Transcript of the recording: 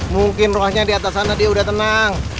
mungkin rohnya di atas sana dia udah tenang